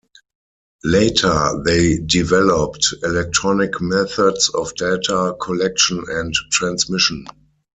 Later they developed electronic methods of data collection and transmission.